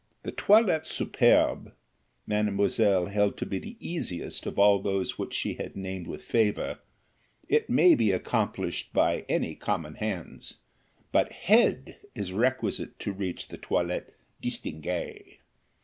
The toilette superbe mademoiselle held to be the easiest of all those which she had named with favour, it may be accomplished by any common hands; but head is requisite to reach the toilette distinguée.